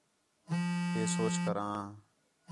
ہے سوچ کر آں